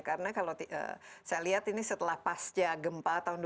karena kalau saya lihat ini setelah pasca gempa tahun dua ribu sembilan